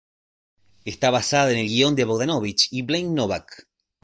Está basada en el guion por Bogdanovich y Blaine Novak.